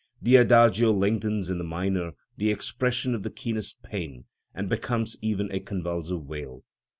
The Adagio lengthens in the minor the expression of the keenest pain, and becomes even a convulsive wail.